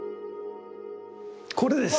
これです！